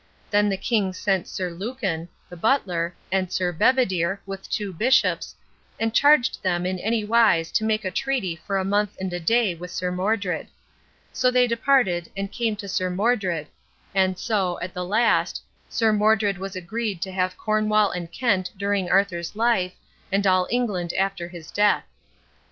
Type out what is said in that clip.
Then the king sent Sir Lucan, the butler, and Sir Bedivere, with two bishops, and charged them in any wise to take a treaty for a month and a day with Sir Modred. So they departed, and came to Sir Modred; and so, at the last, Sir Modred was agreed to have Cornwall and Kent during Arthur's life, and all England after his death.